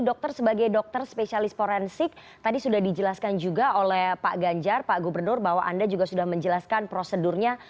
dokter sebagai dokter spesialis forensik tadi sudah dijelaskan juga oleh pak ganjar pak gubernur bahwa anda juga sudah menjelaskan prosedurnya